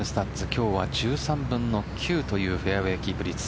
今日は１３分の９というフェアウェイキープ率。